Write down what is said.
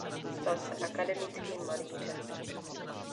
Stal se akademickým malířem.